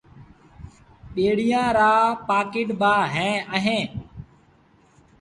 ٻيٚڙيآن رآ پآڪيٽ با اهيݩ۔